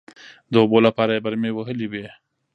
د اوبو لپاره يې برمې وهلې وې.